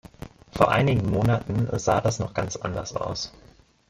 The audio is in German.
Vor einigen Monaten sah das noch ganz anders aus.